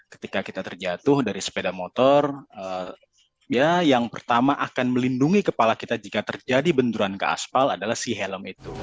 ketika kita terjatuh dari sepeda motor ya yang pertama akan melindungi kepala kita jika terjadi benturan ke aspal adalah si helm itu